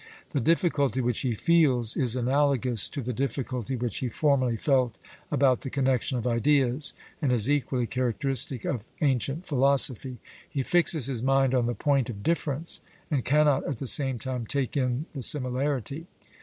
The difficulty which he feels is analogous to the difficulty which he formerly felt about the connexion of ideas, and is equally characteristic of ancient philosophy: he fixes his mind on the point of difference, and cannot at the same time take in the similarity.